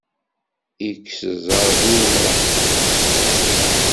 Ikkes ẓẓerb, i umṛaḥ.